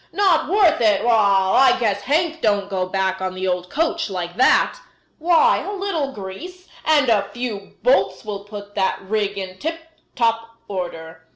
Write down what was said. "Not worth it? Wall! I guess Hank don't go back on the old coach like that. Why, a little grease and a few bolts will put that rig in tip top order."